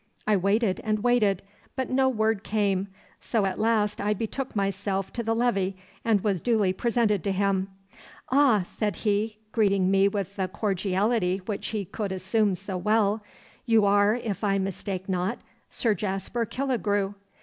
I waited and waited, but no word came, so at last I betook myself to the levee and was duly presented to him. "Ah," said he, greeting me with the cordiality which he could assume so well, "you are, if I mistake not, Sir Jasper Killigrew?"